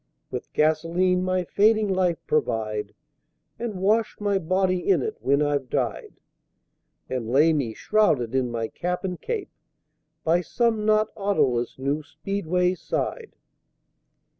With Gasoline my fading Life provide, And wash my Body in it when I've died, And lay me, shrouded in my Cap and Cape, By some not Autoless new Speedway's side.